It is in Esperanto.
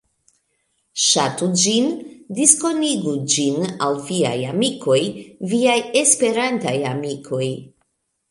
Ŝatu ĝin, diskonigu ĝin al viaj amikoj, viaj Esperantaj amikoj.